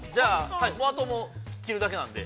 ◆あとは切るだけなので。